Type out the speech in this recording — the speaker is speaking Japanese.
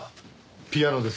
ピアノです。